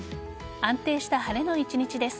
安定した晴れの一日です。